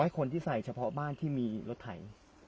น้อยคนที่ใส่แต่บ้านมีรถไถ